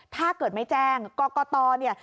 ถ้าเกิดไม่แจ้งกรกตเนี่ย